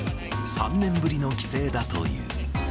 ３年ぶりの帰省だという。